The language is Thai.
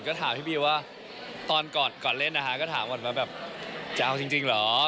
ก็ถามพี่บีว่าตอนก่อนเล่นนะคะก็ถามก่อนว่าแบบจะเอาจริงเหรอ